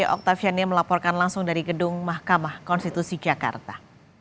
octaviania melaporkan langsung dari gedung mahkamah konstitusi jakarta